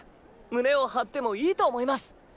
胸を張ってもいいと思います。